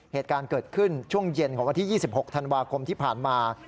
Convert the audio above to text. เหตุการณ์เกิดขึ้นช่วงเย็นของวันที่๒๖ธันวาคมที่ผ่านมา